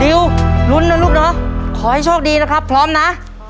ลุ้นนะลูกเนอะขอให้โชคดีนะครับพร้อมนะ